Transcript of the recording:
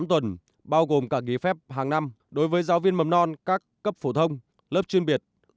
tám tuần bao gồm cả ký phép hàng năm đối với giáo viên mầm non các cấp phổ thông lớp chuyên biệt